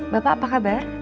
bapak apa kabar